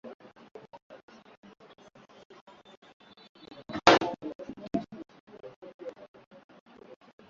mgonjwa wa kisukari anatakiwa kula vyakula vyenye afya kila siku